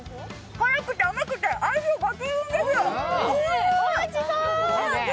辛くて甘くて、相性抜群です！